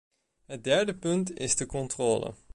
Het derde punt is de controle.